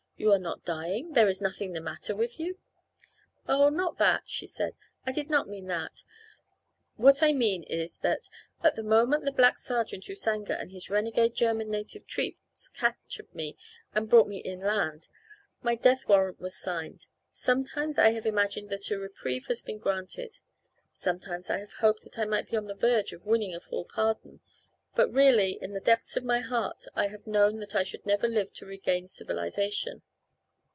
You are not dying. There is nothing the matter with you." "Oh, not that," she said, "I did not mean that. What I mean is that at the moment the black sergeant, Usanga, and his renegade German native troops captured me and brought me inland, my death warrant was signed. Sometimes I have imagined that a reprieve has been granted. Sometimes I have hoped that I might be upon the verge of winning a full pardon, but really in the depths of my heart I have known that I should never live to regain civilization.